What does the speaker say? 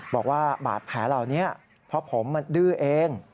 บอกว่าบาดแผลเหล่านี้เพราะผมมันดื้อเอง